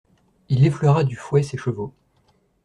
Il effleura du fouet ses chevaux.